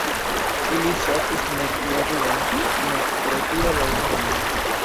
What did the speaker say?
Ili ŝatis nek la duan, nek pro tio la unuan.